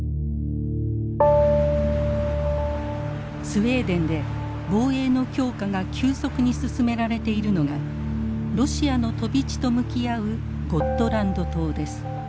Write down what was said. スウェーデンで防衛の強化が急速に進められているのがロシアの飛び地と向き合うゴットランド島です。